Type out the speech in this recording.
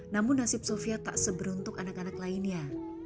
namun nasib sofia tak seber untuk anak anak lainnya